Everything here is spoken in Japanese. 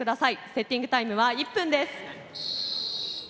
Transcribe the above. セッティングタイムは１分です。